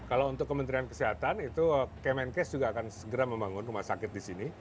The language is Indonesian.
kalau untuk kementerian kesehatan itu kemenkes juga akan segera membangun rumah sakit di sini